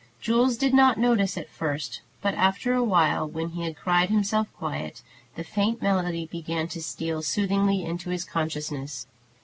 Jules did not notice it at first, but after awhile, when he had cried himself quiet, the faint melody began to steal soothingly into his consciousness.